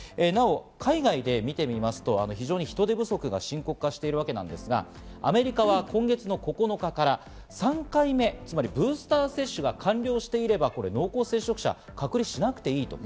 なお海外で見てみますと、人手不足が深刻化しているわけですが、アメリカは今月９日から３回目、つまりブースター接種が完了していれば濃厚接触者、隔離しなくていい。